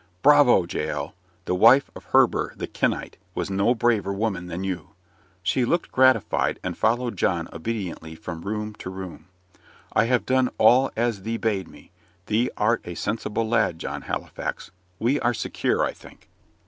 "Bravo, Jael! The wife of Heber the Kenite was no braver woman than you." She looked gratified, and followed John obediently from room to room. "I have done all as thee bade me thee art a sensible lad, John Halifax. We are secure, I think."